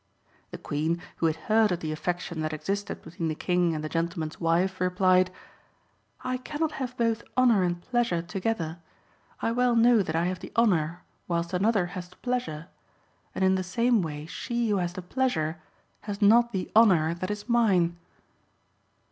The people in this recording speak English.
The Queen, who had heard of the affection that existed between the King and the gentleman's wife, replied "I cannot have both honour and pleasure together. I well know that I have the honour whilst another has the pleasure; and in the same way she who has the pleasure has not the honour that is mine."